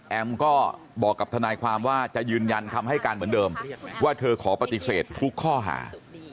ก็บอกกับทนายความว่าจะยืนยันคำให้การเหมือนเดิมว่าเธอขอปฏิเสธทุกข้อหา